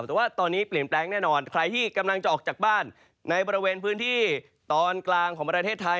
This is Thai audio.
แต่ว่าตอนนี้เปลี่ยนแปลงแน่นอนใครที่กำลังจะออกจากบ้านในบริเวณพื้นที่ตอนกลางของประเทศไทย